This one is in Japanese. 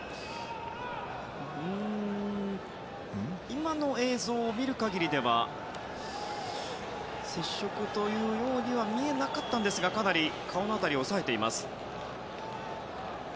今の映像を見る限りでは接触というようには見えなかったんですがかなり顔の辺りを押さえています。